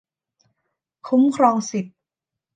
คุ้มครองสิทธิ์